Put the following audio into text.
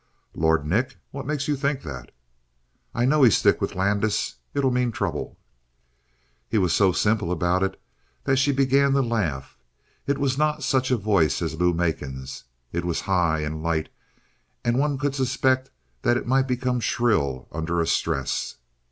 "Lord Nick? What makes you think that?" "I know he's thick with Landis. It'll mean trouble." He was so simple about it that she began to laugh. It was not such a voice as Lou Macon's. It was high and light, and one could suspect that it might become shrill under a stress.